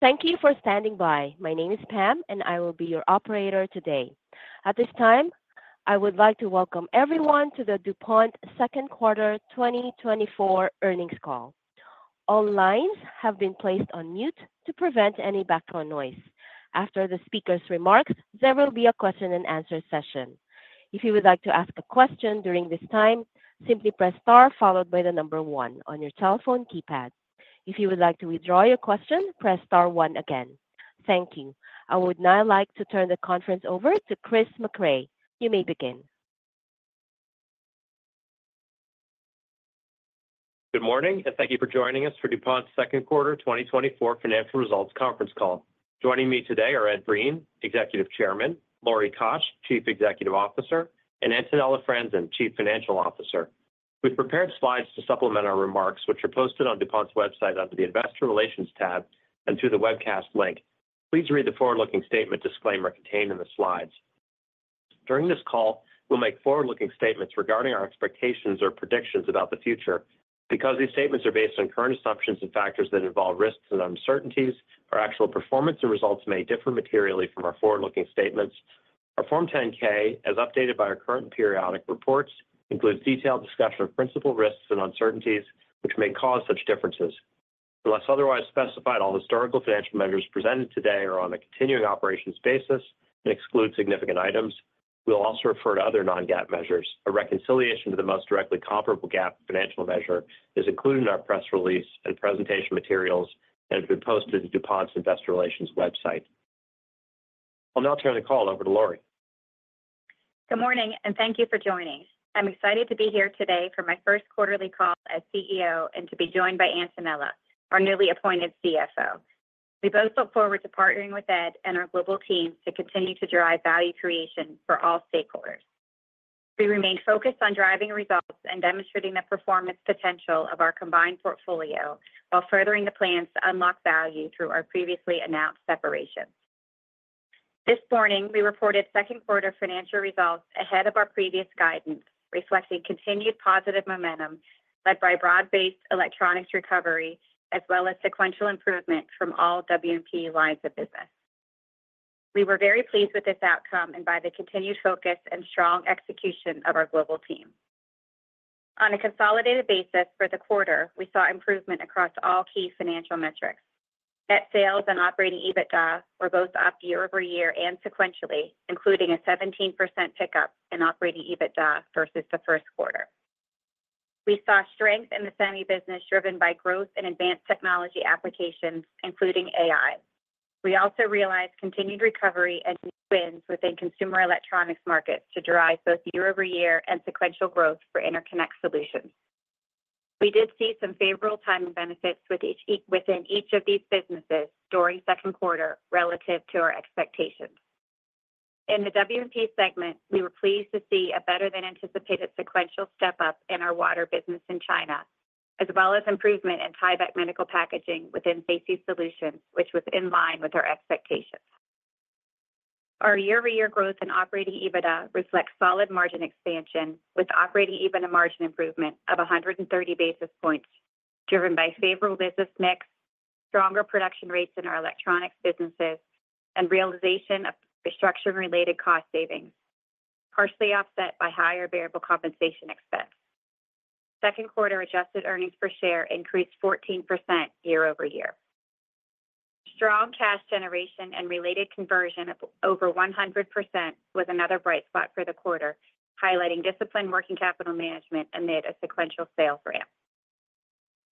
Thank you for standing by. My name is Pam, and I will be your operator today. At this time, I would like to welcome everyone to the DuPont second quarter 2024 earnings call. All lines have been placed on mute to prevent any background noise. After the speaker's remarks, there will be a question-and-answer session. If you would like to ask a question during this time, simply press star followed by the number one on your telephone keypad. If you would like to withdraw your question, press star one again. Thank you. I would now like to turn the conference over to Chris Mecray. You may begin. Good morning, and thank you for joining us for DuPont second quarter 2024 financial results conference call. Joining me today are Ed Breen, Executive Chairman; Lori Koch, Chief Executive Officer; and Antonella Franzen, Chief Financial Officer. We've prepared slides to supplement our remarks, which are posted on DuPont's website under the investor relations tab and through the webcast link. Please read the forward-looking statement disclaimer contained in the slides. During this call, we'll make forward-looking statements regarding our expectations or predictions about the future. Because these statements are based on current assumptions and factors that involve risks and uncertainties, our actual performance and results may differ materially from our forward-looking statements. Our Form 10-K, as updated by our current and periodic reports, includes detailed discussion of principal risks and uncertainties which may cause such differences. Unless otherwise specified, all historical financial measures presented today are on a continuing operations basis and exclude significant items. We'll also refer to other non-GAAP measures. A reconciliation to the most directly comparable GAAP financial measure is included in our press release and presentation materials and has been posted to DuPont's Investor Relations website. I'll now turn the call over to Lori. Good morning, and thank you for joining. I'm excited to be here today for my first quarterly call as CEO and to be joined by Antonella, our newly appointed CFO. We both look forward to partnering with Ed and our global teams to continue to drive value creation for all stakeholders. We remain focused on driving results and demonstrating the performance potential of our combined portfolio while furthering the plans to unlock value through our previously announced separations. This morning, we reported second quarter financial results ahead of our previous guidance, reflecting continued positive momentum led by broad-based electronics recovery as well as sequential improvement from all W&P lines of business. We were very pleased with this outcome and by the continued focus and strong execution of our global team. On a consolidated basis for the quarter, we saw improvement across all key financial metrics. Net sales and operating EBITDA were both up year-over-year and sequentially, including a 17% pickup in operating EBITDA versus the first quarter. We saw strength in the semi-business driven by growth in advanced technology applications, including AI. We also realized continued recovery and wins within consumer electronics markets to drive both year-over-year and sequential growth for interconnect solutions. We did see some favorable timing benefits within each of these businesses during second quarter relative to our expectations. In the W&P segment, we were pleased to see a better-than-anticipated sequential step-up in our water business in China, as well as improvement in Tyvek medical packaging within Safety Solutions, which was in line with our expectations. Our year-over-year growth in operating EBITDA reflects solid margin expansion with operating EBITDA margin improvement of 130 basis points driven by favorable business mix, stronger production rates in our electronics businesses, and realization of restructuring-related cost savings, partially offset by higher variable compensation expense. Second quarter adjusted earnings per share increased 14% year-over-year. Strong cash generation and related conversion of over 100% was another bright spot for the quarter, highlighting disciplined working capital management amid a sequential sales ramp.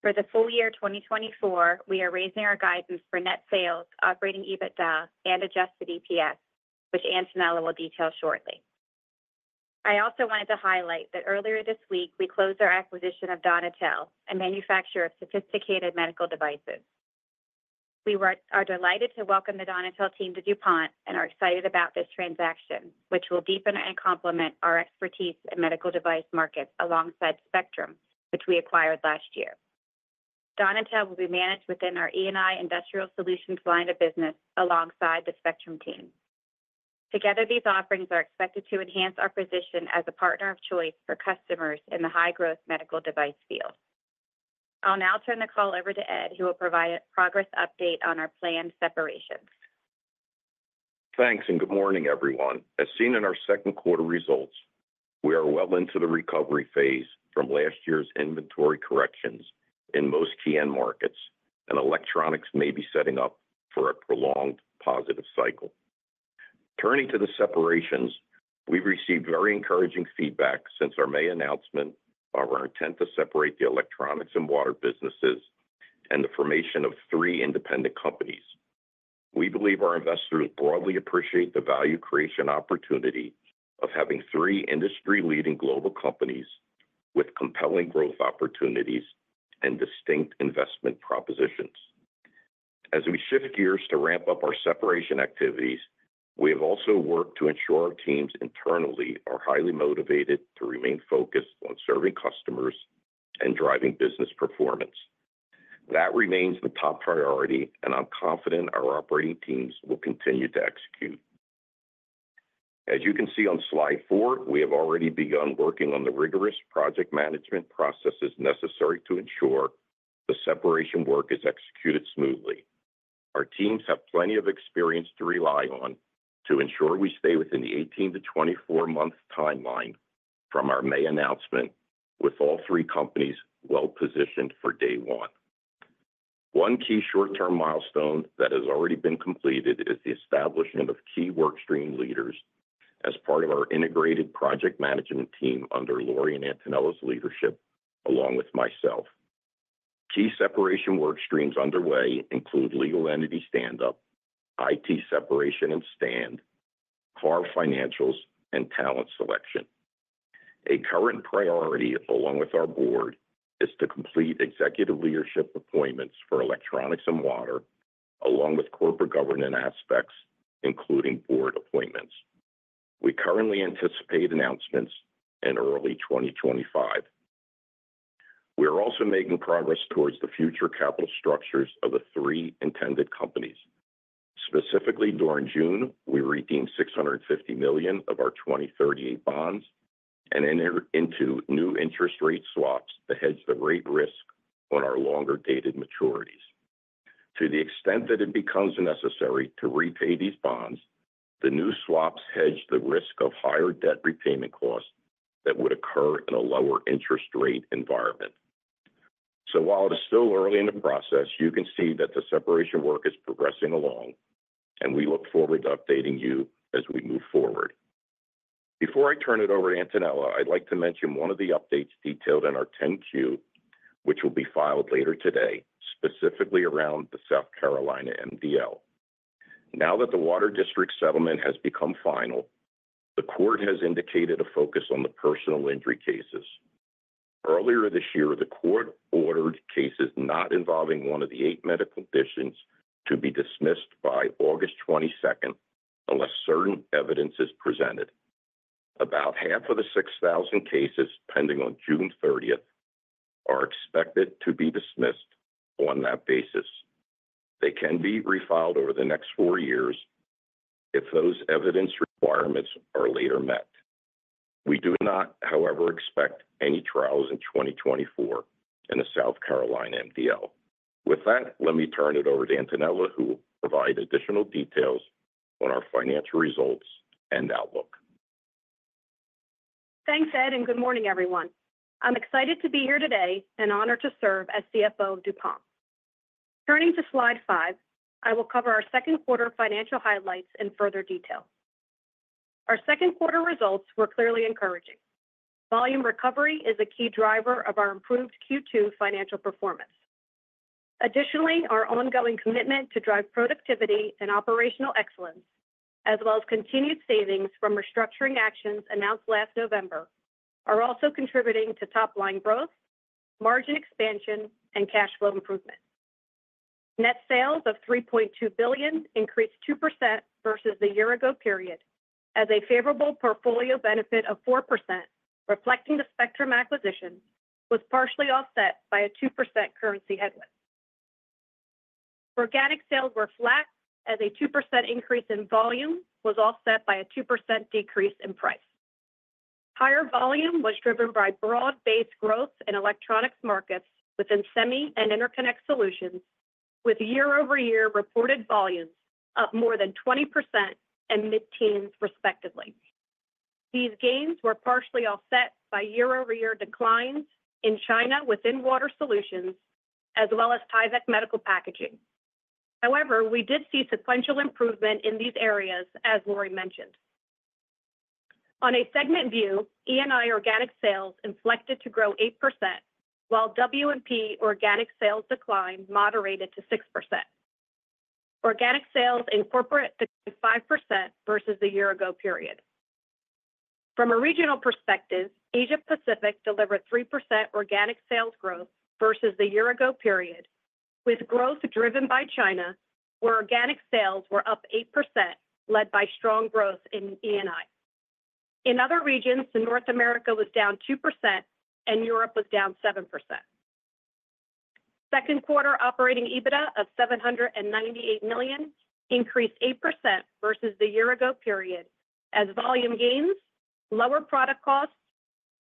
For the full year 2024, we are raising our guidance for net sales, operating EBITDA, and adjusted EPS, which Antonella will detail shortly. I also wanted to highlight that earlier this week, we closed our acquisition of Donatelle, a manufacturer of sophisticated medical devices. We are delighted to welcome the Donatelle team to DuPont and are excited about this transaction, which will deepen and complement our expertise in medical device markets alongside Spectrum, which we acquired last year. Donatelle will be managed within our E&I Industrial Solutions line of business alongside the Spectrum team. Together, these offerings are expected to enhance our position as a partner of choice for customers in the high-growth medical device field. I'll now turn the call over to Ed, who will provide a progress update on our planned separations. Thanks, and good morning, everyone. As seen in our second quarter results, we are well into the recovery phase from last year's inventory corrections in most key-end markets, and electronics may be setting up for a prolonged positive cycle. Turning to the separations, we've received very encouraging feedback since our May announcement of our intent to separate the electronics and water businesses and the formation of three independent companies. We believe our investors broadly appreciate the value creation opportunity of having three industry-leading global companies with compelling growth opportunities and distinct investment propositions. As we shift gears to ramp up our separation activities, we have also worked to ensure our teams internally are highly motivated to remain focused on serving customers and driving business performance. That remains the top priority, and I'm confident our operating teams will continue to execute. As you can see on slide four, we have already begun working on the rigorous project management processes necessary to ensure the separation work is executed smoothly. Our teams have plenty of experience to rely on to ensure we stay within the 18-24-month timeline from our May announcement, with all three companies well-positioned for day one. One key short-term milestone that has already been completed is the establishment of key workstream leaders as part of our integrated project management team under Lori and Antonella's leadership, along with myself. Key separation workstreams underway include legal entity stand-up, IT separation and stand-up, carve-out financials, and talent selection. A current priority, along with our board, is to complete executive leadership appointments for electronics and water, along with corporate governance aspects, including board appointments. We currently anticipate announcements in early 2025. We are also making progress towards the future capital structures of the three intended companies. Specifically, during June, we redeemed $650 million of our 2038 bonds and entered into new interest rate swaps to hedge the rate risk on our longer-dated maturities. To the extent that it becomes necessary to repay these bonds, the new swaps hedge the risk of higher debt repayment costs that would occur in a lower interest rate environment. So while it is still early in the process, you can see that the separation work is progressing along, and we look forward to updating you as we move forward. Before I turn it over to Antonella, I'd like to mention one of the updates detailed in our 10-Q, which will be filed later today, specifically around the South Carolina MDL. Now that the water district settlement has become final, the court has indicated a focus on the personal injury cases. Earlier this year, the court ordered cases not involving one of the eight medical conditions to be dismissed by August 22nd unless certain evidence is presented. About half of the 6,000 cases pending on June 30th are expected to be dismissed on that basis. They can be refiled over the next four years if those evidence requirements are later met. We do not, however, expect any trials in 2024 in the South Carolina MDL. With that, let me turn it over to Antonella, who will provide additional details on our financial results and outlook. Thanks, Ed, and good morning, everyone. I'm excited to be here today and honored to serve as CFO of DuPont. Turning to slide five, I will cover our second quarter financial highlights in further detail. Our second quarter results were clearly encouraging. Volume recovery is a key driver of our improved Q2 financial performance. Additionally, our ongoing commitment to drive productivity and operational excellence, as well as continued savings from restructuring actions announced last November, are also contributing to top-line growth, margin expansion, and cash flow improvement. Net sales of $3.2 billion increased 2% versus the year-ago period, as a favorable portfolio benefit of 4%, reflecting the Spectrum acquisition, was partially offset by a 2% currency headwind. Organic sales were flat, as a 2% increase in volume was offset by a 2% decrease in price. Higher volume was driven by broad-based growth in electronics markets within semi and interconnect solutions, with year-over-year reported volumes up more than 20% and mid-teens, respectively. These gains were partially offset by year-over-year declines in China within water solutions, as well as Tyvek medical packaging. However, we did see sequential improvement in these areas, as Lori mentioned. On a segment view, E&I organic sales inflected to grow 8%, while W&P organic sales declined moderated to 6%. Organic sales in corporate declined 5% versus the year-ago period. From a regional perspective, Asia-Pacific delivered 3% organic sales growth versus the year-ago period, with growth driven by China, where organic sales were up 8%, led by strong growth in E&I. In other regions, North America was down 2%, and Europe was down 7%. Second quarter operating EBITDA of $798 million increased 8% versus the year-ago period, as volume gains, lower product costs,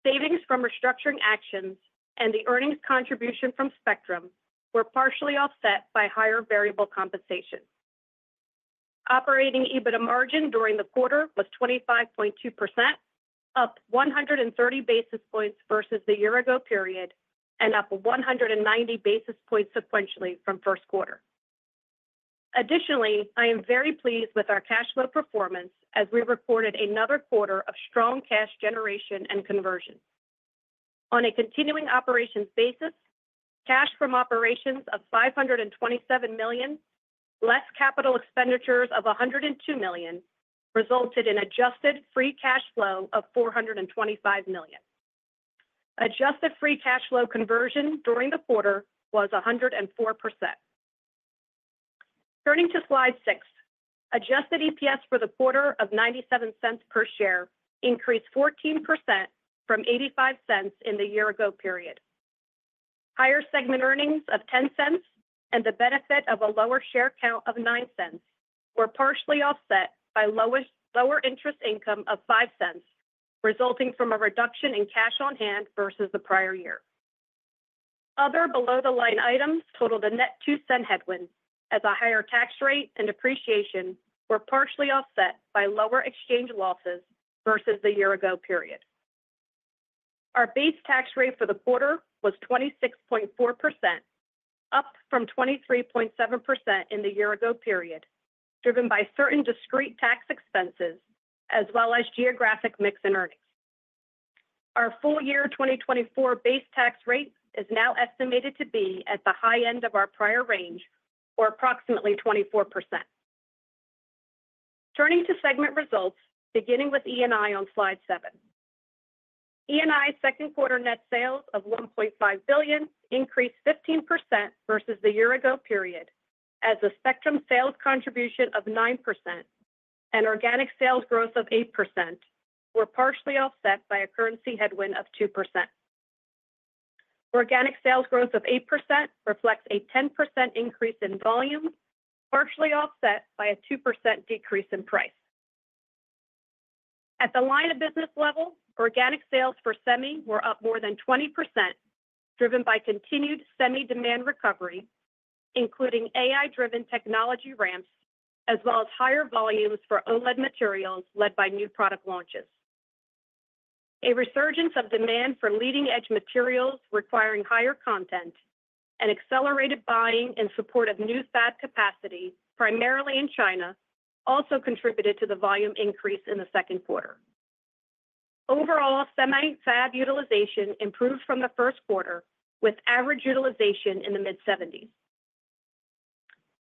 savings from restructuring actions, and the earnings contribution from Spectrum were partially offset by higher variable compensation. Operating EBITDA margin during the quarter was 25.2%, up 130 basis points versus the year-ago period, and up 190 basis points sequentially from first quarter. Additionally, I am very pleased with our cash flow performance as we recorded another quarter of strong cash generation and conversion. On a continuing operations basis, cash from operations of $527 million, less capital expenditures of $102 million, resulted in adjusted free cash flow of $425 million. Adjusted free cash flow conversion during the quarter was 104%. Turning to slide six, adjusted EPS for the quarter of $0.97 per share increased 14% from $0.85 in the year-ago period. Higher segment earnings of $0.10 and the benefit of a lower share count of $0.09 were partially offset by lower interest income of $0.05, resulting from a reduction in cash on hand versus the prior year. Other below-the-line items totaled a net $0.02 headwind, as a higher tax rate and depreciation were partially offset by lower exchange losses versus the year-ago period. Our base tax rate for the quarter was 26.4%, up from 23.7% in the year-ago period, driven by certain discrete tax expenses, as well as geographic mix in earnings. Our full year 2024 base tax rate is now estimated to be at the high end of our prior range, or approximately 24%. Turning to segment results, beginning with E&I on slide seven. E&I second quarter net sales of $1.5 billion increased 15% versus the year-ago period, as the Spectrum sales contribution of 9% and organic sales growth of 8% were partially offset by a currency headwind of 2%. Organic sales growth of 8% reflects a 10% increase in volume, partially offset by a 2% decrease in price. At the line of business level, organic sales for semi were up more than 20%, driven by continued semi demand recovery, including AI-driven technology ramps, as well as higher volumes for OLED materials led by new product launches. A resurgence of demand for leading-edge materials requiring higher content and accelerated buying in support of new fab capacity, primarily in China, also contributed to the volume increase in the second quarter. Overall, semi fab utilization improved from the first quarter, with average utilization in the mid-70s.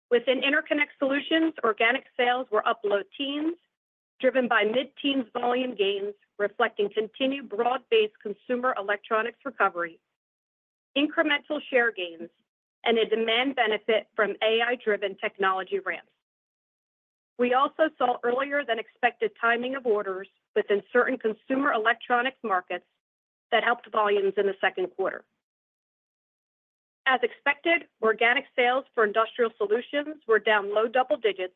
Within Interconnect Solutions, organic sales were up low teens, driven by mid-teens volume gains, reflecting continued broad-based consumer electronics recovery, incremental share gains, and a demand benefit from AI-driven technology ramps. We also saw earlier-than-expected timing of orders within certain consumer electronics markets that helped volumes in the second quarter. As expected, organic sales for Industrial Solutions were down low double digits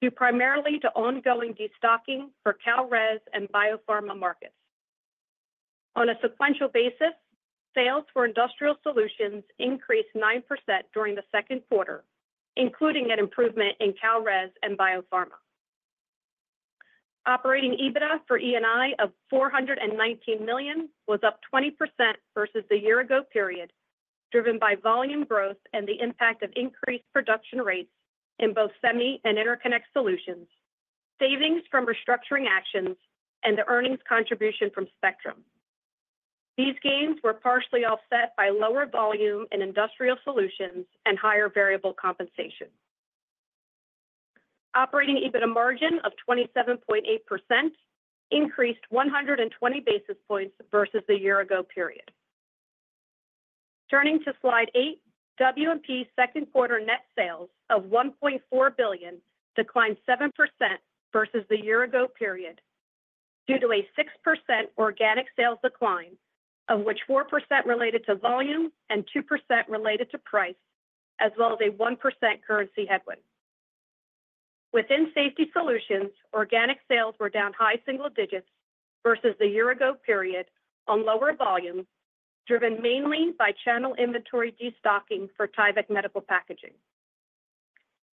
due primarily to ongoing destocking for Kalrez and Biopharma markets. On a sequential basis, sales for Industrial Solutions increased 9% during the second quarter, including an improvement in Kalrez and Biopharma. Operating EBITDA for E&I of $419 million was up 20% versus the year-ago period, driven by volume growth and the impact of increased production rates in both Semi and Interconnect Solutions, savings from restructuring actions, and the earnings contribution from Spectrum. These gains were partially offset by lower volume in Industrial Solutions and higher variable compensation. Operating EBITDA margin of 27.8% increased 120 basis points versus the year-ago period. Turning to slide eight, W&P's second quarter net sales of $1.4 billion declined 7% versus the year-ago period due to a 6% organic sales decline, of which 4% related to volume and 2% related to price, as well as a 1% currency headwind. Within safety solutions, organic sales were down high single digits versus the year-ago period on lower volume, driven mainly by channel inventory destocking for Tyvek medical packaging.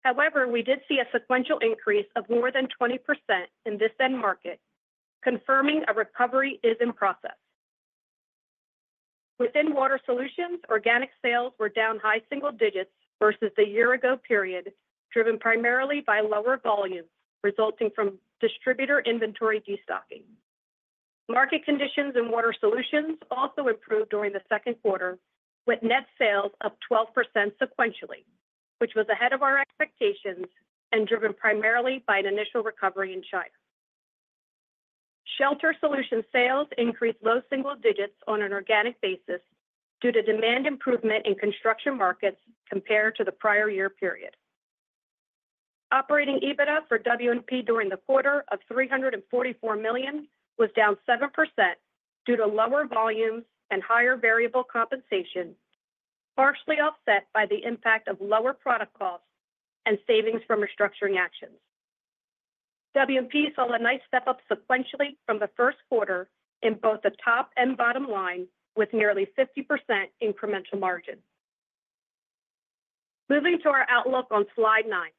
However, we did see a sequential increase of more than 20% in this end market, confirming a recovery is in process. Within water solutions, organic sales were down high single digits versus the year-ago period, driven primarily by lower volume resulting from distributor inventory destocking. Market conditions in water solutions also improved during the second quarter, with net sales up 12% sequentially, which was ahead of our expectations and driven primarily by an initial recovery in China. Shelter Solutions sales increased low single digits on an organic basis due to demand improvement in construction markets compared to the prior year period. Operating EBITDA for W&P during the quarter of $344 million was down 7% due to lower volumes and higher variable compensation, partially offset by the impact of lower product costs and savings from restructuring actions. W&P saw a nice step up sequentially from the first quarter in both the top and bottom line, with nearly 50% incremental margin. Moving to our outlook on slide nine.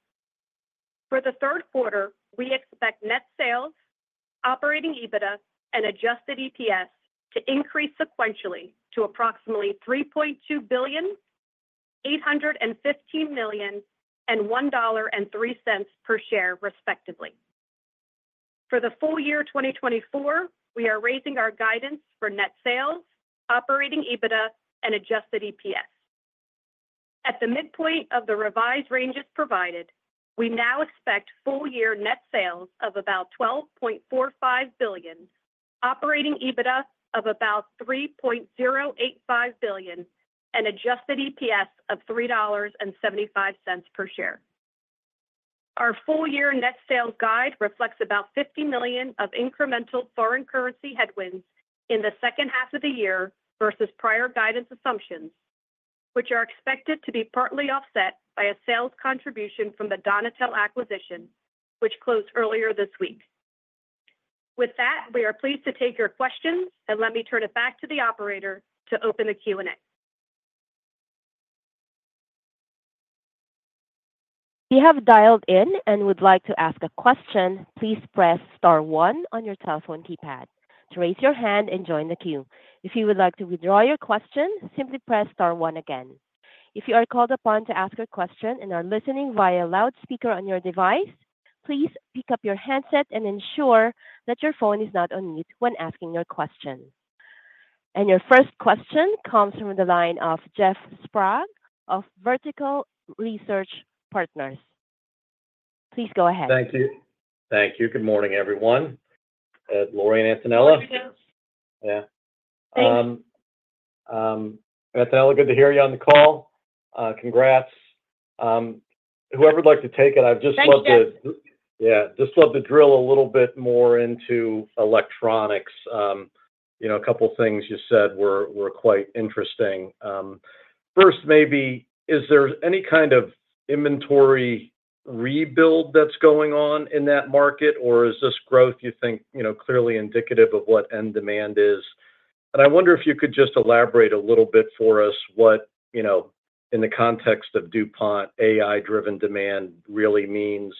For the third quarter, we expect net sales, operating EBITDA, and adjusted EPS to increase sequentially to approximately $3.2 billion, $815 million, and $1.03 per share, respectively. For the full year 2024, we are raising our guidance for net sales, Operating EBITDA, and Adjusted EPS. At the midpoint of the revised ranges provided, we now expect full year net sales of about $12.45 billion, Operating EBITDA of about $3.085 billion, and Adjusted EPS of $3.75 per share. Our full year net sales guide reflects about $50 million of incremental foreign currency headwinds in the second half of the year versus prior guidance assumptions, which are expected to be partly offset by a sales contribution from the Donatelle acquisition, which closed earlier this week. With that, we are pleased to take your questions, and let me turn it back to the operator to open the Q&A. If you have dialed in and would like to ask a question, please press star one on your telephone keypad to raise your hand and join the queue. If you would like to withdraw your question, simply press star one again. If you are called upon to ask a question and are listening via a loudspeaker on your device, please pick up your handset and ensure that your phone is not on mute when asking your question. Your first question comes from the line of Jeff Sprague of Vertical Research Partners. Please go ahead. Thank you. Thank you. Good morning, everyone. Lori and Antonella. There she goes. Yeah. Thanks. Antonella, good to hear you on the call. Congrats. Whoever would like to take it, I just love to. Thank you. Yeah, just love to drill a little bit more into electronics. A couple of things you said were quite interesting. First, maybe, is there any kind of inventory rebuild that's going on in that market, or is this growth, you think, clearly indicative of what end demand is? And I wonder if you could just elaborate a little bit for us what, in the context of DuPont, AI-driven demand really means,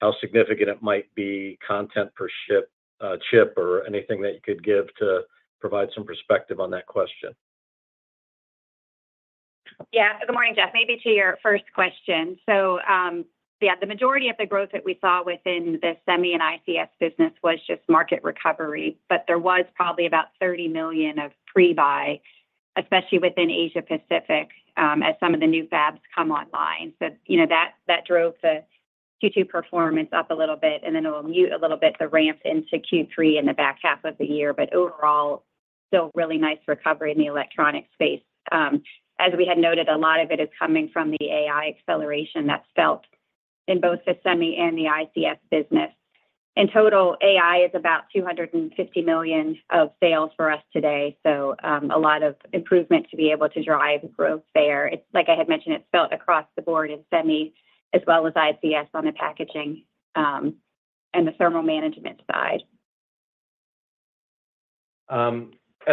how significant it might be, content per chip, or anything that you could give to provide some perspective on that question. Yeah. Good morning, Jeff. Maybe to your first question. So yeah, the majority of the growth that we saw within the semi and ICS business was just market recovery, but there was probably about $30 million of pre-buy, especially within Asia-Pacific, as some of the new fabs come online. So that drove the Q2 performance up a little bit, and then it will mute a little bit to ramp into Q3 in the back half of the year. But overall, still really nice recovery in the electronic space. As we had noted, a lot of it is coming from the AI acceleration that's felt in both the semi and the ICS business. In total, AI is about $250 million of sales for us today. So a lot of improvement to be able to drive growth there. Like I had mentioned, it's felt across the board in semi, as well as ICS on the packaging and the thermal management side.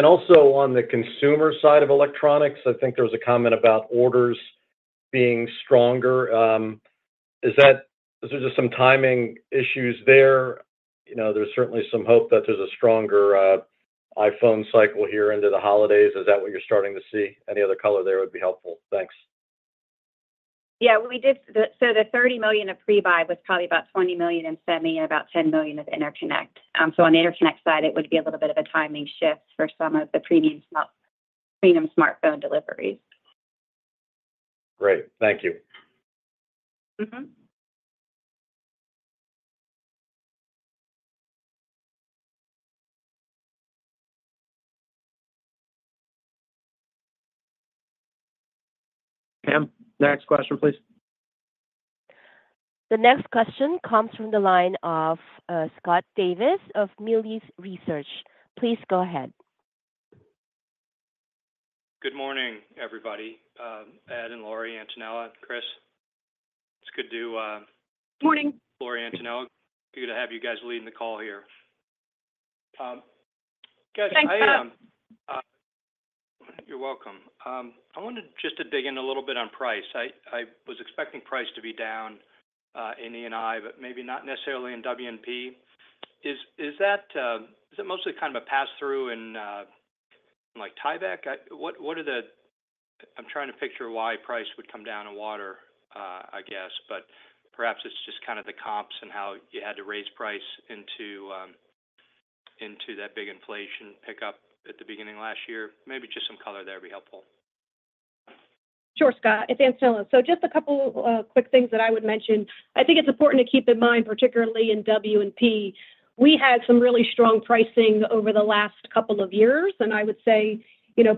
Also on the consumer side of electronics, I think there was a comment about orders being stronger. Is there just some timing issues there? There's certainly some hope that there's a stronger iPhone cycle here into the holidays. Is that what you're starting to see? Any other color there would be helpful. Thanks. Yeah. So the $30 million of pre-buy was probably about $20 million in semi and about $10 million of interconnect. So on the interconnect side, it would be a little bit of a timing shift for some of the premium smartphone deliveries. Great. Thank you. Pam, next question, please. The next question comes from the line of Scott Davis of Melius Research. Please go ahead. Good morning, everybody. Ed and Lori, Antonella, Chris. It's good to. Good morning. Lori and Antonella. Good to have you guys leading the call here. Thank you. You're welcome. I wanted just to dig in a little bit on price. I was expecting price to be down in E&I, but maybe not necessarily in W&P. Is that mostly kind of a pass-through in Tyvek? I'm trying to picture why price would come down in water, I guess, but perhaps it's just kind of the comps and how you had to raise price into that big inflation pickup at the beginning of last year. Maybe just some color there would be helpful. Sure, Scott. It's Antonella. So just a couple of quick things that I would mention. I think it's important to keep in mind, particularly in W&P, we had some really strong pricing over the last couple of years. And I would say,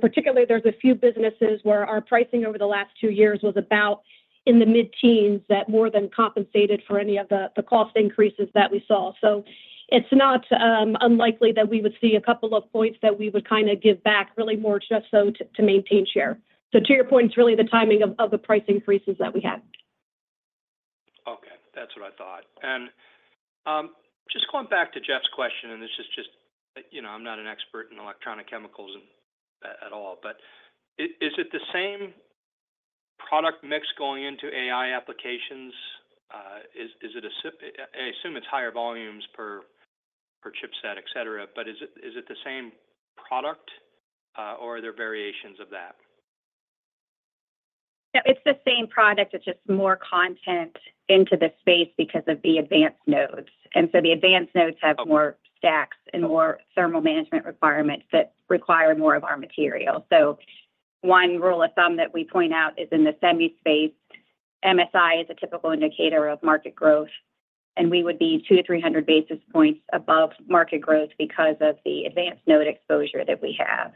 particularly, there's a few businesses where our pricing over the last two years was about in the mid-teens that more than compensated for any of the cost increases that we saw. So it's not unlikely that we would see a couple of points that we would kind of give back really more just so to maintain share. So to your point, it's really the timing of the price increases that we had. Okay. That's what I thought. And just going back to Jeff's question, and this is just, I'm not an expert in electronic chemicals at all, but is it the same product mix going into AI applications? I assume it's higher volumes per chipset, etc., but is it the same product, or are there variations of that? Yeah. It's the same product. It's just more content into the space because of the advanced nodes. And so the advanced nodes have more stacks and more thermal management requirements that require more of our material. So one rule of thumb that we point out is in the semi space, MSI is a typical indicator of market growth, and we would be 200-300 basis points above market growth because of the advanced node exposure that we have.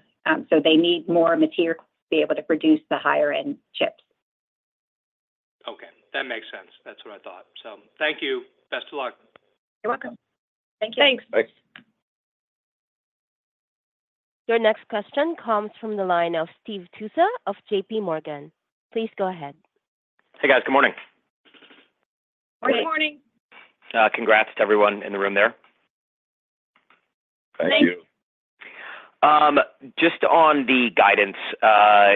So they need more material to be able to produce the higher-end chips. Okay. That makes sense. That's what I thought. So thank you. Best of luck. You're welcome. Thank you. Thanks. Thanks. Your next question comes from the line of Steve Tusa of JPMorgan. Please go ahead. Hey, guys. Good morning. Morning. Morning. Congrats to everyone in the room there. Thank you. Thanks. Just on the guidance,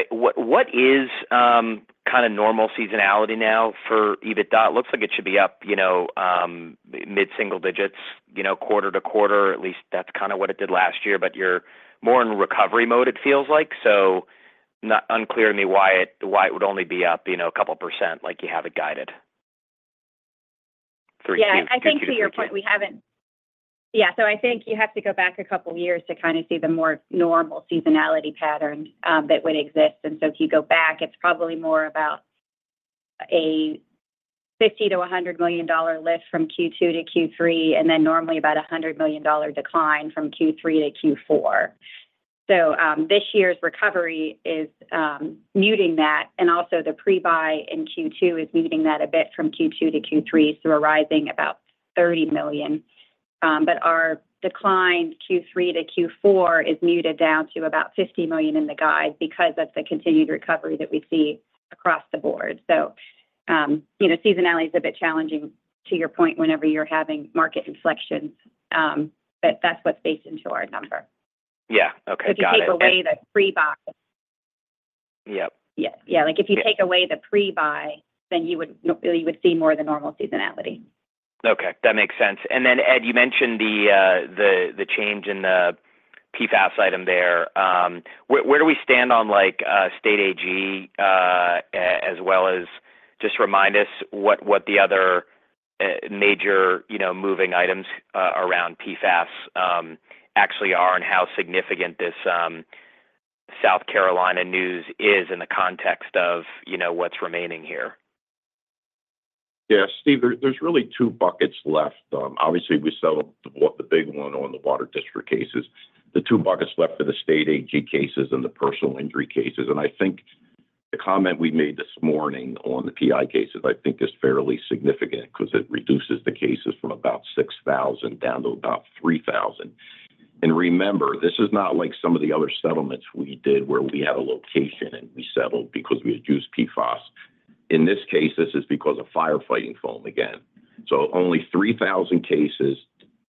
what is kind of normal seasonality now for EBITDA? It looks like it should be up mid-single digits, quarter to quarter. At least that's kind of what it did last year, but you're more in recovery mode, it feels like. So unclear to me why it would only be up a couple percent like you have it guided three Qs. Yeah. I think to your point, we haven't. Yeah. So I think you have to go back a couple of years to kind of see the more normal seasonality pattern that would exist. And so if you go back, it's probably more about a $50 million-$100 million lift from Q2 to Q3, and then normally about a $100 million decline from Q3 to Q4. So this year's recovery is muting that, and also the pre-buy in Q2 is muting that a bit from Q2 to Q3, so arising about $30 million. But our decline Q3 to Q4 is muted down to about $50 million in the guide because of the continued recovery that we see across the board. So seasonality is a bit challenging to your point whenever you're having market inflections, but that's what's based into our number. Yeah. Okay. Got it. If you take away the pre-buy. Yep. Yeah. If you take away the pre-buy, then you would see more of the normal seasonality. Okay. That makes sense. Then, Ed, you mentioned the change in the PFAS item there. Where do we stand on state AG, as well as just remind us what the other major moving items around PFAS actually are and how significant this South Carolina news is in the context of what's remaining here? Yeah. Steve, there's really two buckets left. Obviously, we settled the big one on the water district cases. The two buckets left for the state AG cases and the personal injury cases. And I think the comment we made this morning on the PI cases, I think, is fairly significant because it reduces the cases from about 6,000 down to about 3,000. And remember, this is not like some of the other settlements we did where we had a location and we settled because we had used PFAS. In this case, this is because of firefighting foam again. So only 3,000 cases,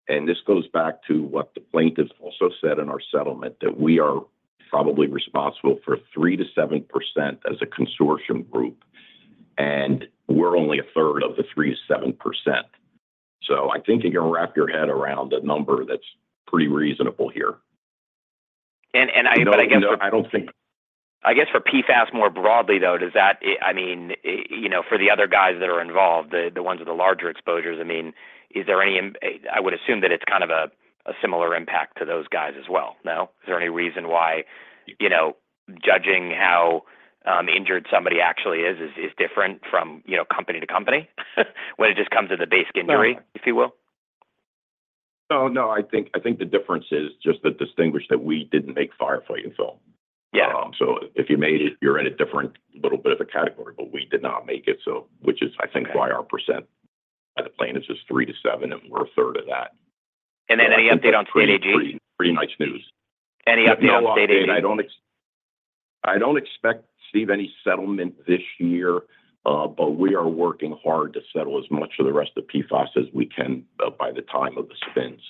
and this goes back to what the plaintiff also said in our settlement, that we are probably responsible for 3%-7% as a consortium group, and we're only a third of the 3%-7%. I think you can wrap your head around a number that's pretty reasonable here. I guess. I don't think. I guess for PFAS more broadly, though, I mean, for the other guys that are involved, the ones with the larger exposures, I mean, I would assume that it's kind of a similar impact to those guys as well. No? Is there any reason why judging how injured somebody actually is is different from company to company when it just comes to the basic injury, if you will? Oh, no. I think the difference is just to distinguish that we didn't make firefighting foam. So if you made it, you're in a different little bit of a category, but we did not make it, which is, I think, why our percent by the plaintiffs is 3%-7%, and we're a third of that. And then, any update on state AG? Pretty nice news. Any update on state AG? I don't expect, Steve, any settlement this year, but we are working hard to settle as much of the rest of the PFAS as we can by the time of the spins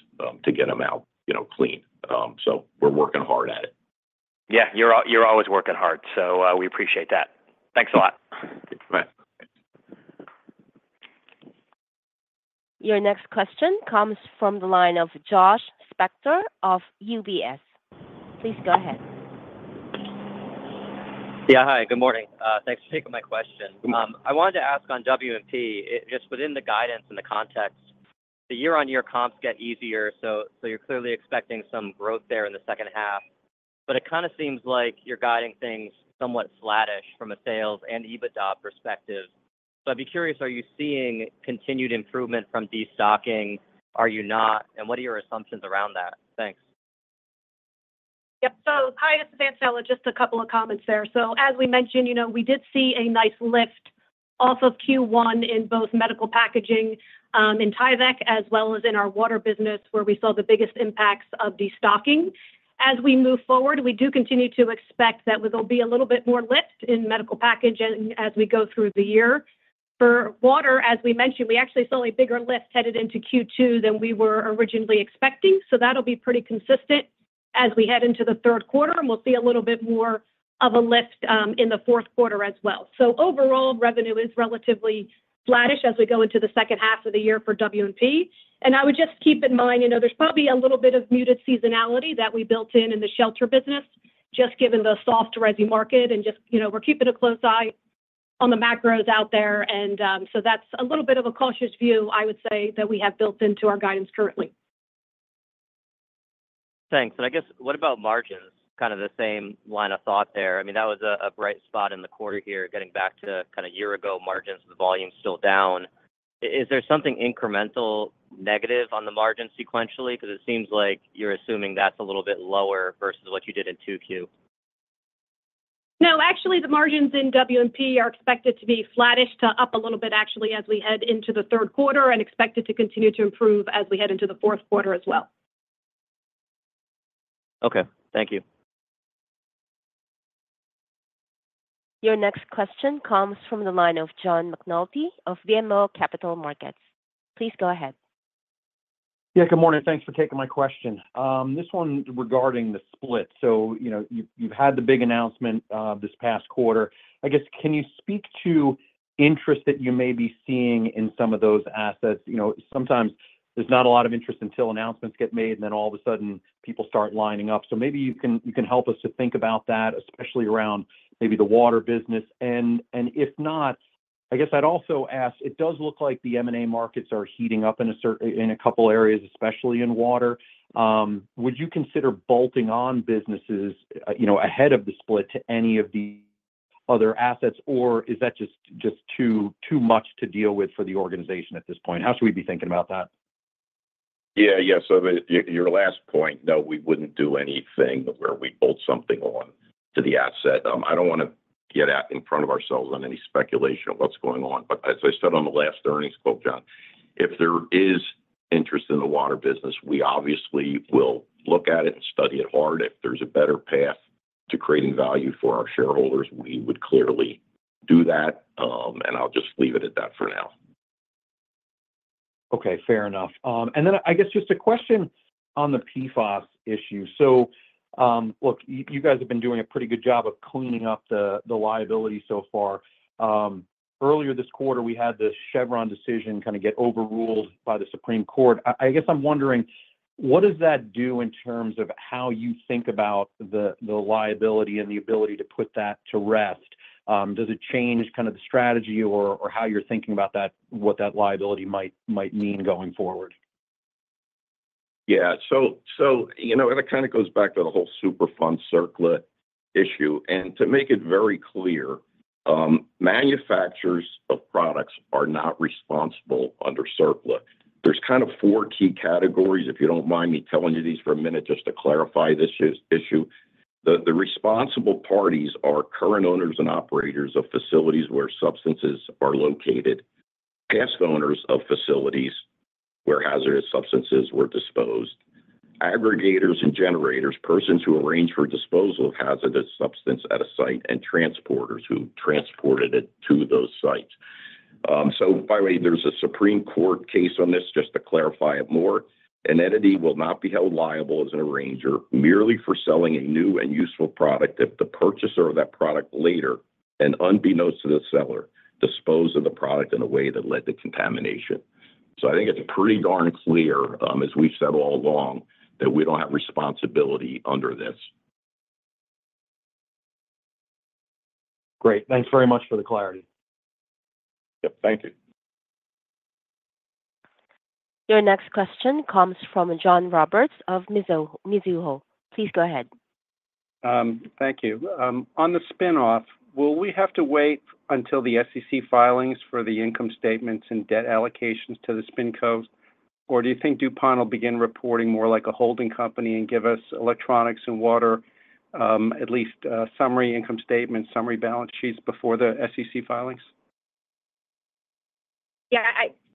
to get them out clean. So we're working hard at it. Yeah. You're always working hard. So we appreciate that. Thanks a lot. Thanks. Your next question comes from the line of Josh Spector of UBS. Please go ahead. Yeah. Hi. Good morning. Thanks for taking my question. I wanted to ask on W&P, just within the guidance and the context, the year-on-year comps get easier, so you're clearly expecting some growth there in the second half. But it kind of seems like you're guiding things somewhat flatish from a sales and EBITDA perspective. So I'd be curious, are you seeing continued improvement from destocking? Are you not? And what are your assumptions around that? Thanks. Yep. So hi, this is Antonella. Just a couple of comments there. So as we mentioned, we did see a nice lift off of Q1 in both medical packaging in Tyvek, as well as in our water business, where we saw the biggest impacts of destocking. As we move forward, we do continue to expect that we'll be a little bit more lift in medical packaging as we go through the year. For water, as we mentioned, we actually saw a bigger lift headed into Q2 than we were originally expecting. So that'll be pretty consistent as we head into the third quarter, and we'll see a little bit more of a lift in the fourth quarter as well. So overall, revenue is relatively flatish as we go into the second half of the year for W&P. And I would just keep in mind there's probably a little bit of muted seasonality that we built in in the shelter business, just given the softer resin market, and just we're keeping a close eye on the macros out there. And so that's a little bit of a cautious view, I would say, that we have built into our guidance currently. Thanks. And I guess, what about margins? Kind of the same line of thought there. I mean, that was a bright spot in the quarter here, getting back to kind of a year-ago margins, the volume still down. Is there something incremental negative on the margin sequentially? Because it seems like you're assuming that's a little bit lower versus what you did in Q2. No. Actually, the margins in W&P are expected to be flatish to up a little bit, actually, as we head into the third quarter and expected to continue to improve as we head into the fourth quarter as well. Okay. Thank you. Your next question comes from the line of John McNulty of BMO Capital Markets. Please go ahead. Yeah. Good morning. Thanks for taking my question. This one regarding the split. So you've had the big announcement this past quarter. I guess, can you speak to interest that you may be seeing in some of those assets? Sometimes there's not a lot of interest until announcements get made, and then all of a sudden, people start lining up. So maybe you can help us to think about that, especially around maybe the water business. And if not, I guess I'd also ask, it does look like the M&A markets are heating up in a couple of areas, especially in water. Would you consider bolting on businesses ahead of the split to any of the other assets, or is that just too much to deal with for the organization at this point? How should we be thinking about that? Yeah. Yeah. So your last point, no, we wouldn't do anything where we bolt something on to the asset. I don't want to get in front of ourselves on any speculation of what's going on. But as I said on the last earnings call, John, if there is interest in the water business, we obviously will look at it and study it hard. If there's a better path to creating value for our shareholders, we would clearly do that. And I'll just leave it at that for now. Okay. Fair enough. And then I guess just a question on the PFAS issue. So look, you guys have been doing a pretty good job of cleaning up the liability so far. Earlier this quarter, we had the Chevron decision kind of get overruled by the Supreme Court. I guess I'm wondering, what does that do in terms of how you think about the liability and the ability to put that to rest? Does it change kind of the strategy or how you're thinking about what that liability might mean going forward? Yeah. So it kind of goes back to the whole Superfund CERCLA issue. And to make it very clear, manufacturers of products are not responsible under CERCLA. There's kind of four key categories, if you don't mind me telling you these for a minute just to clarify this issue. The responsible parties are current owners and operators of facilities where substances are located, past owners of facilities where hazardous substances were disposed, arrangers and generators, persons who arranged for disposal of hazardous substance at a site, and transporters who transported it to those sites. So by the way, there's a Supreme Court case on this just to clarify it more. An entity will not be held liable as an arranger merely for selling a new and useful product if the purchaser of that product later, and unbeknownst to the seller, disposed of the product in a way that led to contamination. So I think it's pretty darn clear, as we've said all along, that we don't have responsibility under this. Great. Thanks very much for the clarity. Yep. Thank you. Your next question comes from John Roberts of Mizuho. Please go ahead. Thank you. On the spinoff, will we have to wait until the SEC filings for the income statements and debt allocations to the SpinCos, or do you think DuPont will begin reporting more like a holding company and give us electronics and water, at least summary income statements, summary balance sheets before the SEC filings? Yeah.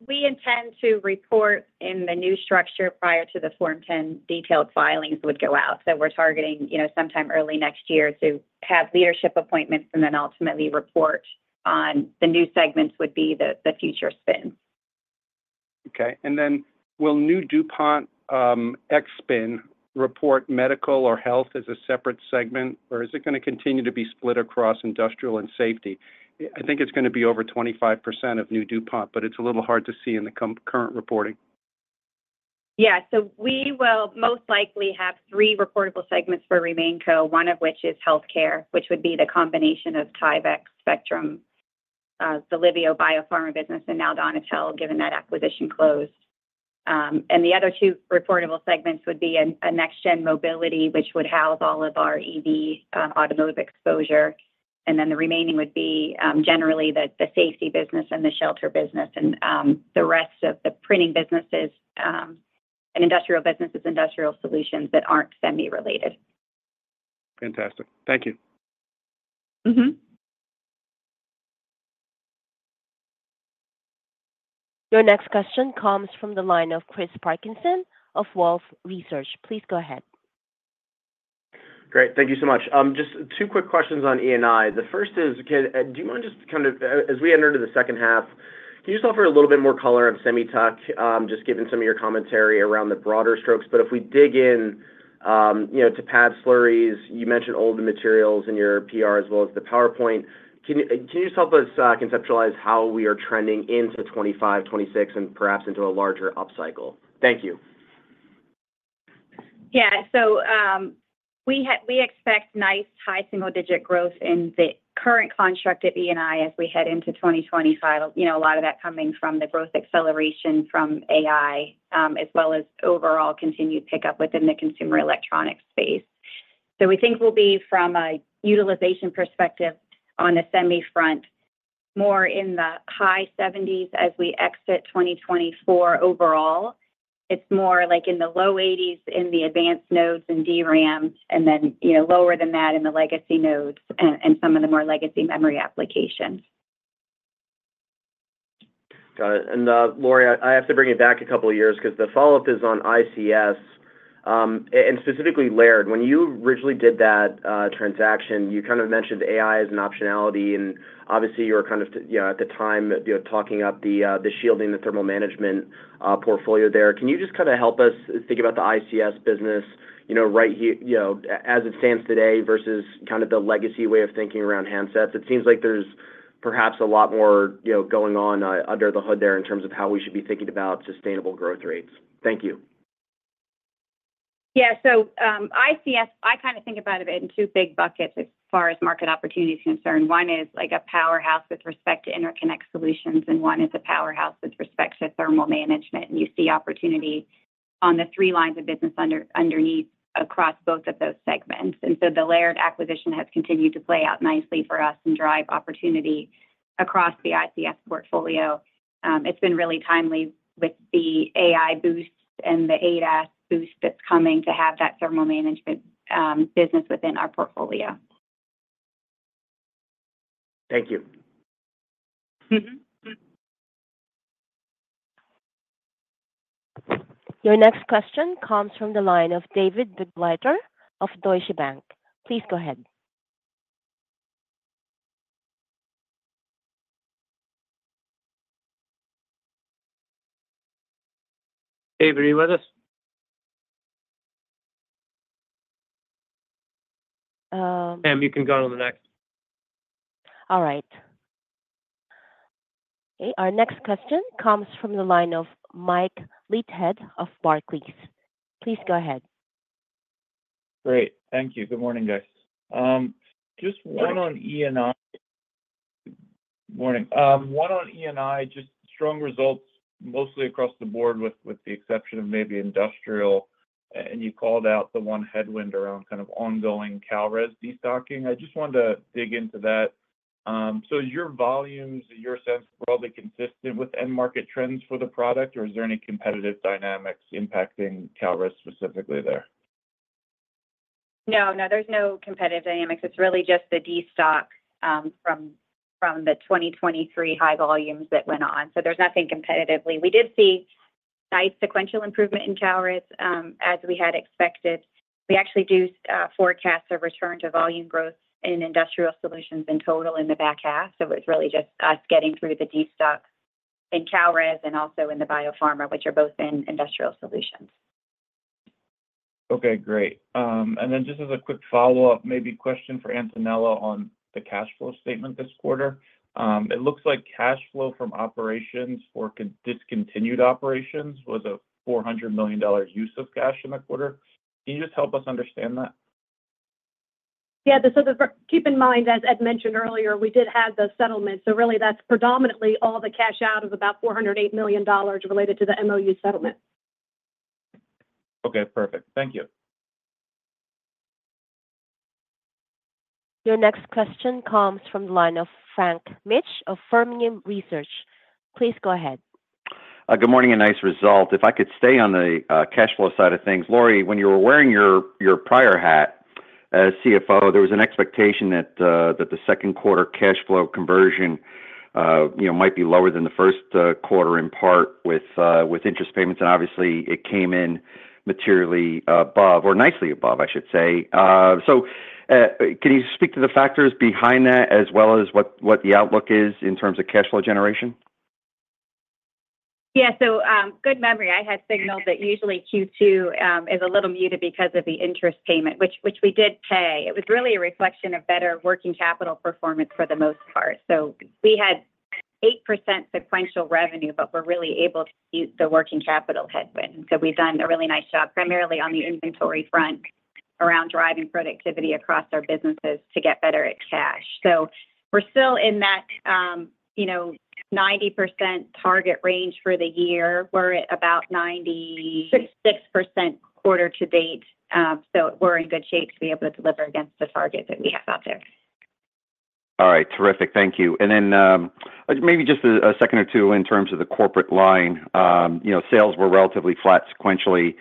We intend to report in the new structure prior to the Form 10-K detailed filings would go out. So we're targeting sometime early next year to have leadership appointments and then ultimately report on the new segments would be the future spins. Okay. And then will new DuPont X-Spin report medical or health as a separate segment, or is it going to continue to be split across industrial and safety? I think it's going to be over 25% of new DuPont, but it's a little hard to see in the current reporting. Yeah. So we will most likely have three reportable segments for RemainCo, one of which is healthcare, which would be the combination of Tyvek, Spectrum, the Liveo BioPharma business, and now Donatelle, given that acquisition closed. And the other two reportable segments would be a NextGen Mobility, which would house all of our EV automotive exposure. And then the remaining would be generally the safety business and the shelter business and the rest of the printing businesses and industrial businesses, industrial solutions that aren't semi-related. Fantastic. Thank you. Your next question comes from the line of Chris Parkinson of Wolfe Research. Please go ahead. Great. Thank you so much. Just two quick questions on E&I. The first is, do you mind just kind of, as we enter into the second half, can you just offer a little bit more color on Semi Tech, just given some of your commentary around the broader strokes? But if we dig into pads, slurries, you mentioned all the materials in your PR as well as the PowerPoint. Can you just help us conceptualize how we are trending into 2025, 2026, and perhaps into a larger upcycle? Thank you. Yeah. So we expect nice high single-digit growth in the current construct of E&I as we head into 2025, a lot of that coming from the growth acceleration from AI, as well as overall continued pickup within the consumer electronics space. So we think we'll be, from a utilization perspective on the semi front, more in the high 70s as we exit 2024 overall. It's more like in the low 80s in the advanced nodes and DRAM, and then lower than that in the legacy nodes and some of the more legacy memory applications. Got it. And Lori, I have to bring it back a couple of years because the follow-up is on ICS and specifically Laird. When you originally did that transaction, you kind of mentioned AI as an optionality. And obviously, you were kind of, at the time, talking up the shielding and the thermal management portfolio there. Can you just kind of help us think about the ICS business right as it stands today versus kind of the legacy way of thinking around handset? It seems like there's perhaps a lot more going on under the hood there in terms of how we should be thinking about sustainable growth rates. Thank you. Yeah. So ICS, I kind of think about it in two big buckets as far as market opportunity is concerned. One is a powerhouse with respect to interconnect solutions, and one is a powerhouse with respect to thermal management. And you see opportunity on the three lines of business underneath across both of those segments. And so the Laird acquisition has continued to play out nicely for us and drive opportunity across the ICS portfolio. It's been really timely with the AI boost and the ADAS boost that's coming to have that thermal management business within our portfolio. Thank you. Your next question comes from the line of David Begleiter of Deutsche Bank. Please go ahead. Hey, were you with us? Pam, you can go on to the next. All right. Okay. Our next question comes from the line of Mike Leithead of Barclays. Please go ahead. Great. Thank you. Good morning, guys. Just one on E&I. Morning. One on E&I, just strong results mostly across the board with the exception of maybe industrial. And you called out the one headwind around kind of ongoing Kalrez destocking. I just wanted to dig into that. So is your volumes, in your sense, broadly consistent with end market trends for the product, or is there any competitive dynamics impacting Kalrez specifically there? No. No, there's no competitive dynamics. It's really just the destock from the 2023 high volumes that went on. So there's nothing competitively. We did see a sequential improvement in Kalrez as we had expected. We actually do forecast a return to volume growth in industrial solutions in total in the back half. So it was really just us getting through the destock in Kalrez and also in the BioPharma, which are both in industrial solutions. Okay. Great. And then just as a quick follow-up, maybe question for Antonella on the cash flow statement this quarter. It looks like cash flow from operations for discontinued operations was a $400 million use of cash in the quarter. Can you just help us understand that? Yeah. So keep in mind, as Ed mentioned earlier, we did have the settlement. So really, that's predominantly all the cash out of about $408 million related to the MOU settlement. Okay. Perfect. Thank you. Your next question comes from the line of Frank Mitsch of Fermium Research. Please go ahead. Good morning and nice result. If I could stay on the cash flow side of things, Lori, when you were wearing your prior hat as CFO, there was an expectation that the second quarter cash flow conversion might be lower than the first quarter in part with interest payments. And obviously, it came in materially above, or nicely above, I should say. So can you speak to the factors behind that as well as what the outlook is in terms of cash flow generation? Yeah. So good memory. I had signaled that usually Q2 is a little muted because of the interest payment, which we did pay. It was really a reflection of better working capital performance for the most part. So we had 8% sequential revenue, but we're really able to use the working capital headwind. And so we've done a really nice job primarily on the inventory front around driving productivity across our businesses to get better at cash. So we're still in that 90% target range for the year. We're at about 96% quarter to date. So we're in good shape to be able to deliver against the target that we have out there. All right. Terrific. Thank you. And then maybe just a second or two in terms of the corporate line. Sales were relatively flat sequentially.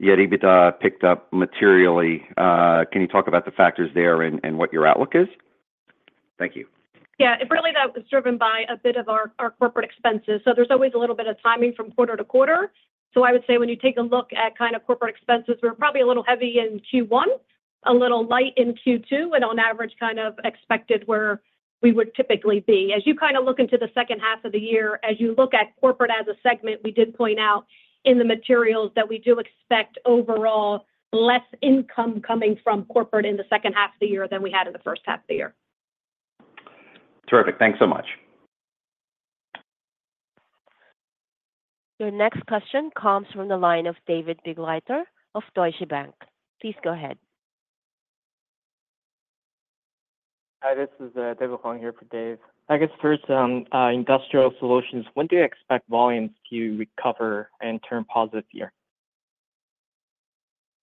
Yet EBITDA picked up materially. Can you talk about the factors there and what your outlook is? Thank you. Yeah. Really, that was driven by a bit of our corporate expenses. So there's always a little bit of timing from quarter to quarter. So I would say when you take a look at kind of corporate expenses, we were probably a little heavy in Q1, a little light in Q2, and on average kind of expected where we would typically be. As you kind of look into the second half of the year, as you look at corporate as a segment, we did point out in the materials that we do expect overall less income coming from corporate in the second half of the year than we had in the first half of the year. Terrific. Thanks so much. Your next question comes from the line of David Begleiter of Deutsche Bank. Please go ahead. Hi, this is David Huang here for Dave. I guess first, industrial solutions, when do you expect volumes to recover and turn positive here?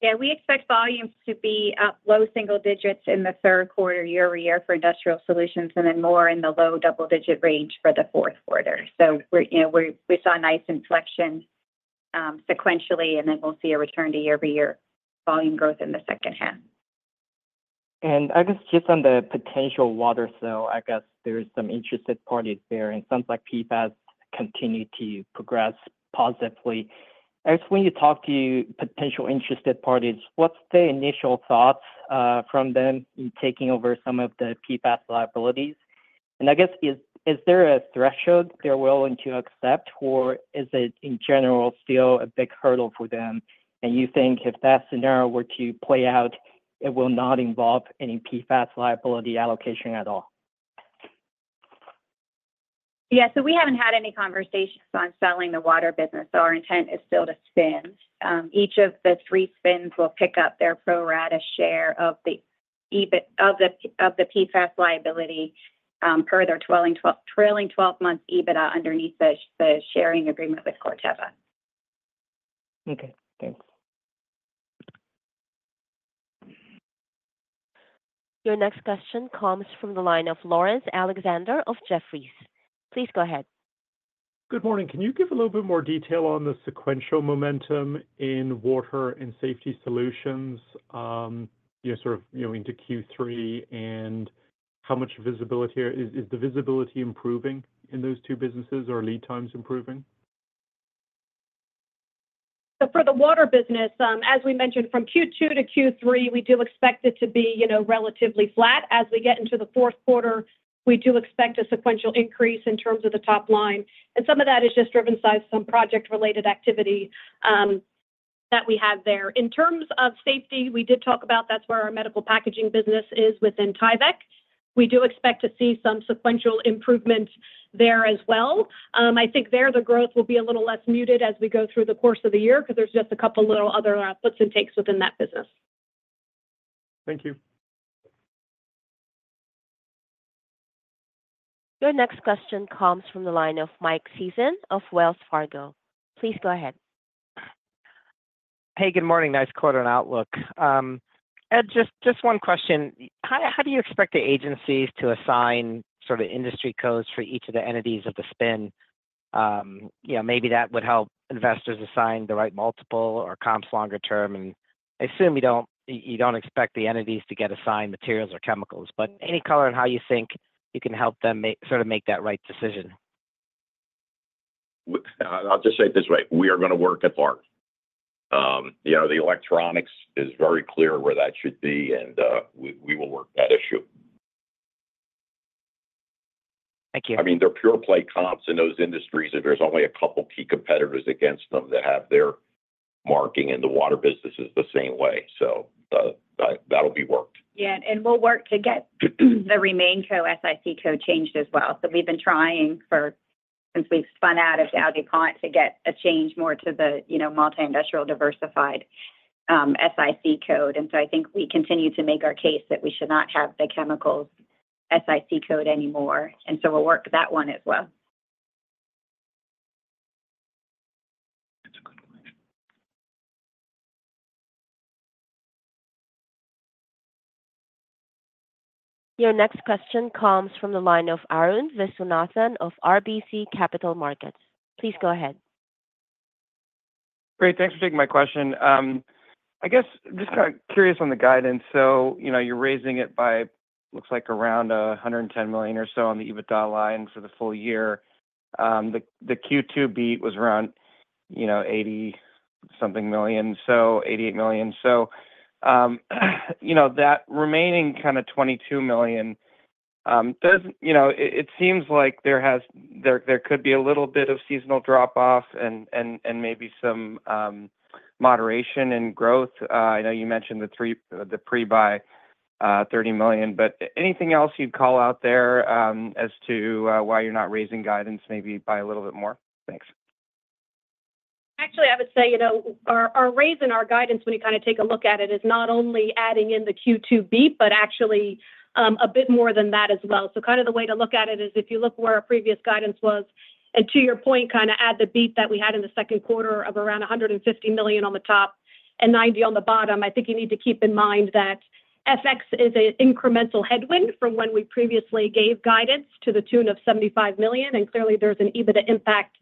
Yeah. We expect volumes to be up low single digits in the third quarter year-over-year for industrial solutions, and then more in the low double-digit range for the fourth quarter. So we saw nice inflection sequentially, and then we'll see a return to year-over-year volume growth in the second half. I guess just on the potential water sale, I guess there's some interested parties there. It sounds like PFAS continued to progress positively. I guess when you talk to potential interested parties, what's the initial thoughts from them in taking over some of the PFAS liabilities? I guess, is there a threshold they're willing to accept, or is it in general still a big hurdle for them? You think if that scenario were to play out, it will not involve any PFAS liability allocation at all? Yeah. So we haven't had any conversations on selling the water business. So our intent is still to spin. Each of the three spins will pick up their pro rata share of the PFAS liability per their trailing 12-month EBITDA underneath the sharing agreement with Corteva. Okay. Thanks. Your next question comes from the line of Laurence Alexander of Jefferies. Please go ahead. Good morning. Can you give a little bit more detail on the sequential momentum in water and safety solutions sort of into Q3 and how much visibility here? Is the visibility improving in those two businesses or lead times improving? So for the water business, as we mentioned, from Q2 to Q3, we do expect it to be relatively flat. As we get into the fourth quarter, we do expect a sequential increase in terms of the top line. And some of that is just driven by some project-related activity that we have there. In terms of safety, we did talk about, that's where our medical packaging business is within Tyvek. We do expect to see some sequential improvement there as well. I think there the growth will be a little less muted as we go through the course of the year because there's just a couple of little other puts and takes within that business. Thank you. Your next question comes from the line of Mike Sison of Wells Fargo. Please go ahead. Hey, good morning. Nice quarter and outlook. Ed, just one question. How do you expect the agencies to assign sort of industry codes for each of the entities of the spin? Maybe that would help investors assign the right multiple or comps longer term. And I assume you don't expect the entities to get assigned materials or chemicals, but any color on how you think you can help them sort of make that right decision? I'll just say it this way. We are going to work at large. The electronics is very clear where that should be, and we will work that issue. Thank you. I mean, they're pure play comps in those industries, and there's only a couple of key competitors against them that have their market, and the water business is the same way. So that'll be worked. Yeah. We'll work to get the remaining SIC code changed as well. We've been trying since we've spun out of DowDuPont to get a change more to the multi-industrial diversified SIC code. I think we continue to make our case that we should not have the chemicals SIC code anymore. We'll work that one as well. Your next question comes from the line of Arun Viswanathan of RBC Capital Markets. Please go ahead. Great. Thanks for taking my question. I guess just kind of curious on the guidance. So you're raising it by, looks like, around $110 million or so on the EBITDA line for the full year. The Q2 beat was around 80-something million, so $88 million. So that remaining kind of $22 million, it seems like there could be a little bit of seasonal drop-off and maybe some moderation in growth. I know you mentioned the pre-buy $30 million, but anything else you'd call out there as to why you're not raising guidance maybe by a little bit more? Thanks. Actually, I would say our raise in our guidance, when you kind of take a look at it, is not only adding in the Q2 beat, but actually a bit more than that as well. So kind of the way to look at it is if you look where our previous guidance was, and to your point, kind of add the beat that we had in the second quarter of around $150 million on the top and $90 million on the bottom. I think you need to keep in mind that FX is an incremental headwind from when we previously gave guidance to the tune of $75 million. And clearly, there's an EBITDA impact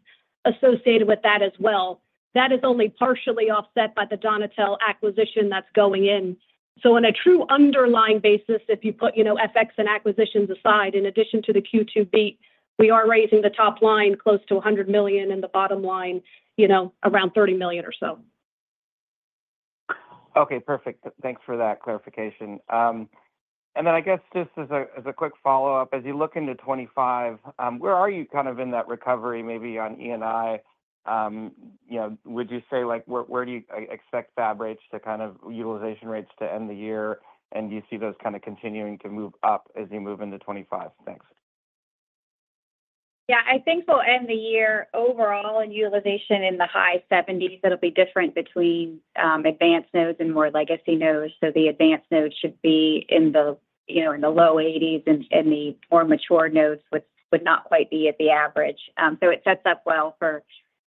associated with that as well. That is only partially offset by the Donatelle acquisition that's going in. So on a true underlying basis, if you put FX and acquisitions aside, in addition to the Q2 beat, we are raising the top line close to $100 million and the bottom line around $30 million or so. Okay. Perfect. Thanks for that clarification. And then I guess just as a quick follow-up, as you look into 2025, where are you kind of in that recovery maybe on E&I? Would you say where do you expect fab rates to kind of utilization rates to end the year? And do you see those kind of continuing to move up as you move into 2025? Thanks. Yeah. I think we'll end the year overall in utilization in the high 70s. It'll be different between advanced nodes and more legacy nodes. So the advanced nodes should be in the low 80s, and the more mature nodes would not quite be at the average. So it sets up well for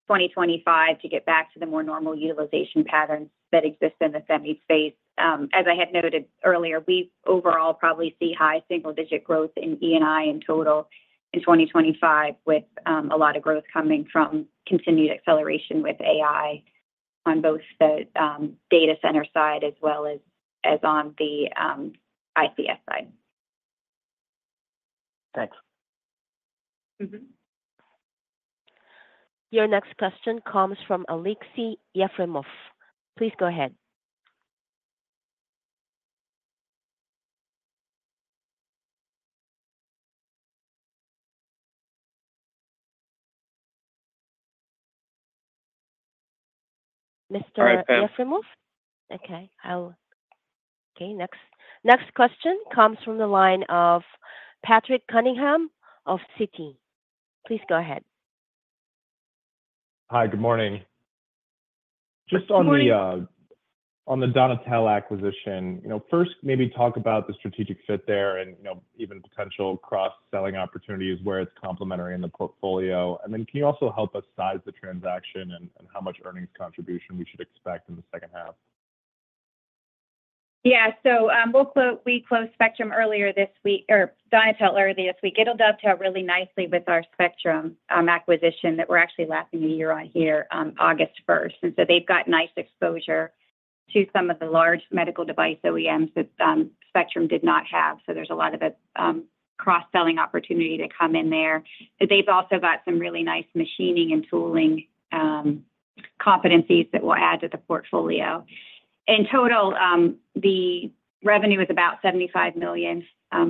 2025 to get back to the more normal utilization patterns that exist in the semi space. As I had noted earlier, we overall probably see high single-digit growth in E&I in total in 2025 with a lot of growth coming from continued acceleration with AI on both the data center side as well as on the ICS side. Thanks. Your next question comes from Aleksey Yefremov. Please go ahead. Mr. Yefremov? Okay. Okay. Next question comes from the line of Patrick Cunningham of Citi. Please go ahead. Hi. Good morning. Just on the Donatelle acquisition, first, maybe talk about the strategic fit there and even potential cross-selling opportunities where it's complementary in the portfolio. And then can you also help us size the transaction and how much earnings contribution we should expect in the second half? Yeah. So we closed Spectrum earlier this week or Donatelle earlier this week. It'll dovetail really nicely with our Spectrum acquisition that we're actually lapping a year on here, August 1st. So they've got nice exposure to some of the large medical device OEMs that Spectrum did not have. So there's a lot of cross-selling opportunity to come in there. They've also got some really nice machining and tooling competencies that we'll add to the portfolio. In total, the revenue is about $75 million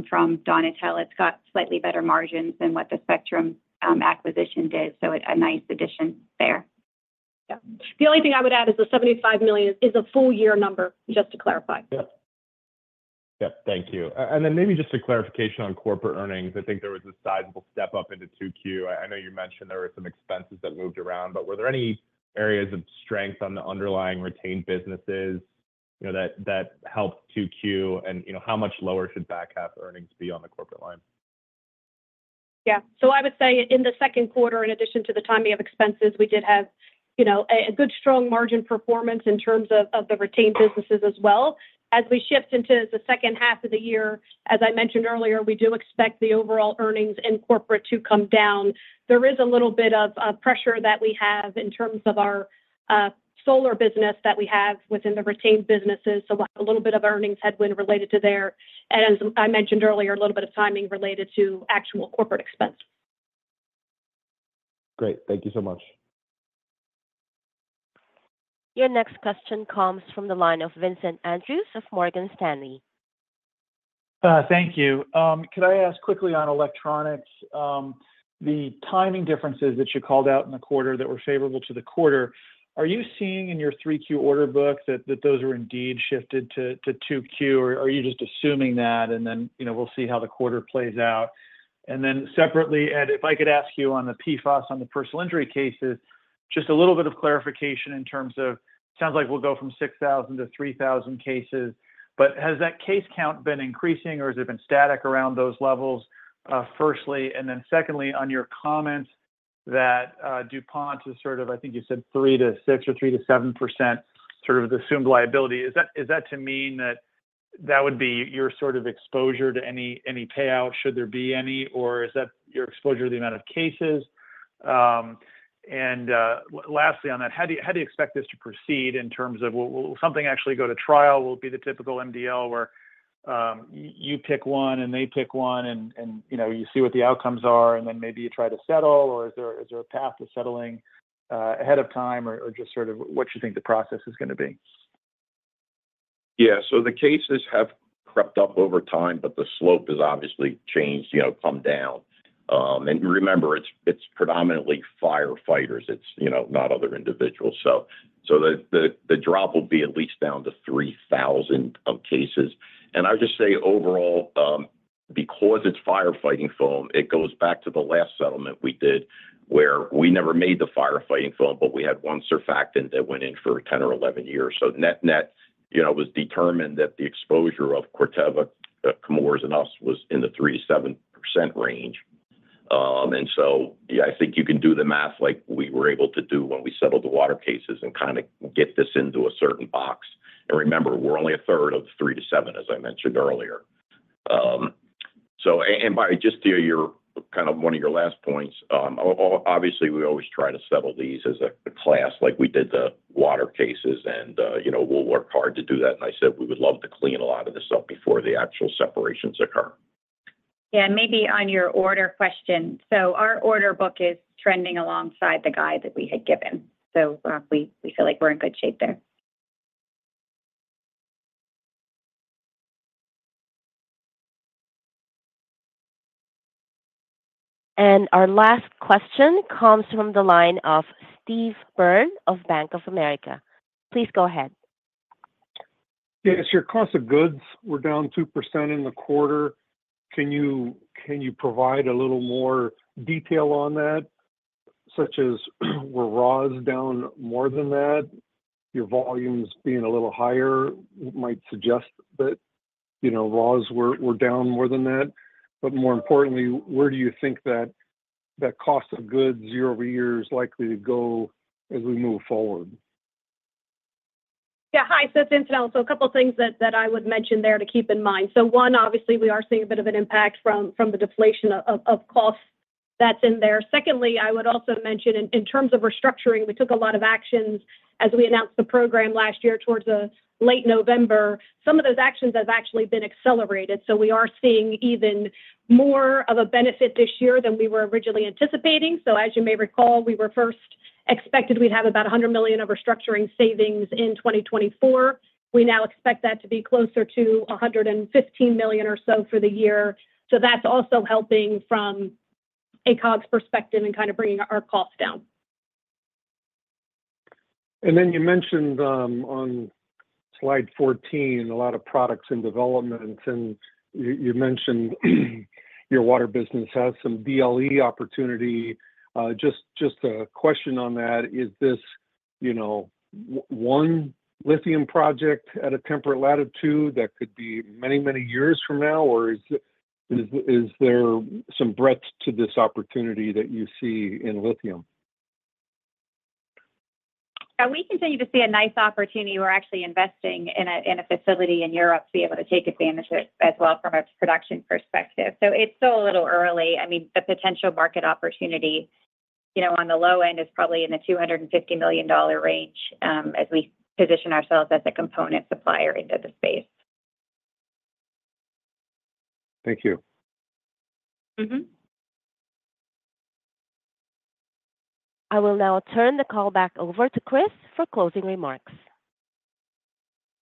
from Donatelle. It's got slightly better margins than what the Spectrum acquisition did. So a nice addition there. Yeah. The only thing I would add is the $75 million is a full-year number, just to clarify. Yeah. Yeah. Thank you. And then maybe just a clarification on corporate earnings. I think there was a sizable step up into Q2. I know you mentioned there were some expenses that moved around, but were there any areas of strength on the underlying retained businesses that helped Q2? And how much lower should back half earnings be on the corporate line? Yeah. So I would say in the second quarter, in addition to the timing of expenses, we did have a good strong margin performance in terms of the retained businesses as well. As we shift into the second half of the year, as I mentioned earlier, we do expect the overall earnings in corporate to come down. There is a little bit of pressure that we have in terms of our solar business that we have within the retained businesses. So a little bit of earnings headwind related to there. And as I mentioned earlier, a little bit of timing related to actual corporate expense. Great. Thank you so much. Your next question comes from the line of Vincent Andrews of Morgan Stanley. Thank you. Could I ask quickly on electronics? The timing differences that you called out in the quarter that were favorable to the quarter, are you seeing in your 3Q order book that those are indeed shifted to 2Q? Or are you just assuming that? And then we'll see how the quarter plays out. And then separately, Ed, if I could ask you on the PFAS on the personal injury cases, just a little bit of clarification in terms of it sounds like we'll go from 6,000 to 3,000 cases, but has that case count been increasing, or has it been static around those levels? Firstly, and then secondly, on your comments that DuPont is sort of, I think you said, 3%-6% or 3%-7% sort of the assumed liability, is that to mean that that would be your sort of exposure to any payout, should there be any? Or is that your exposure to the amount of cases? And lastly on that, how do you expect this to proceed in terms of will something actually go to trial? Will it be the typical MDL where you pick one and they pick one and you see what the outcomes are, and then maybe you try to settle? Or is there a path to settling ahead of time, or just sort of what you think the process is going to be? Yeah. So the cases have crept up over time, but the slope has obviously changed, come down. And remember, it's predominantly firefighters. It's not other individuals. So the drop will be at least down to 3,000 cases. And I would just say overall, because it's firefighting foam, it goes back to the last settlement we did where we never made the firefighting foam, but we had one surfactant that went in for 10 or 11 years. So net-net was determined that the exposure of Corteva, Chemours, and us was in the 3%-7% range. And so yeah, I think you can do the math like we were able to do when we settled the water cases and kind of get this into a certain box. And remember, we're only a third of 3%-7%, as I mentioned earlier. And just to your kind of one of your last points, obviously, we always try to settle these as a class like we did the water cases, and we'll work hard to do that. I said we would love to clean a lot of this up before the actual separations occur. Yeah. Maybe on your order question, so our order book is trending alongside the guide that we had given. So we feel like we're in good shape there. Our last question comes from the line of Steve Byrne of Bank of America. Please go ahead. Yeah. It's your cost of goods. We're down 2% in the quarter. Can you provide a little more detail on that, such as were raws down more than that? Your volumes being a little higher might suggest that raws were down more than that. But more importantly, where do you think that cost of goods year over year is likely to go as we move forward? Yeah. Hi. So it's incidental. So a couple of things that I would mention there to keep in mind. So one, obviously, we are seeing a bit of an impact from the deflation of costs that's in there. Secondly, I would also mention in terms of restructuring, we took a lot of actions as we announced the program last year towards late November. Some of those actions have actually been accelerated. So we are seeing even more of a benefit this year than we were originally anticipating. So as you may recall, we were first expected we'd have about $100 million of restructuring savings in 2024. We now expect that to be closer to $115 million or so for the year. So that's also helping from a COGS perspective and kind of bringing our cost down. Then you mentioned on slide 14, a lot of products in development, and you mentioned your water business has some DLE opportunity. Just a question on that. Is this one lithium project at a temperate latitude that could be many, many years from now, or is there some breadth to this opportunity that you see in lithium? Yeah. We continue to see a nice opportunity. We're actually investing in a facility in Europe to be able to take advantage of it as well from a production perspective. So it's still a little early. I mean, the potential market opportunity on the low end is probably in the $250 million range as we position ourselves as a component supplier into the space. Thank you. I will now turn the call back over to Chris for closing remarks.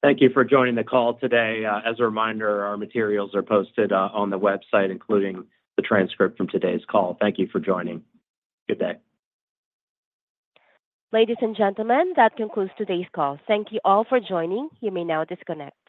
Thank you for joining the call today. As a reminder, our materials are posted on the website, including the transcript from today's call. Thank you for joining. Good day. Ladies and gentlemen, that concludes today's call. Thank you all for joining. You may now disconnect.